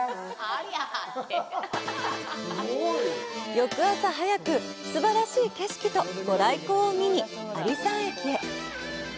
翌朝早く、すばらしい景色とご来光を見に阿里山駅へ。